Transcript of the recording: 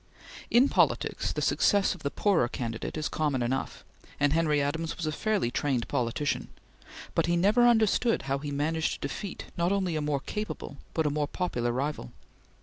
In politics the success of the poorer candidate is common enough, and Henry Adams was a fairly trained politician, but he never understood how he managed to defeat not only a more capable but a more popular rival.